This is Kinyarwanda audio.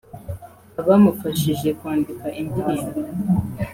abamufashije kwandika indirimbo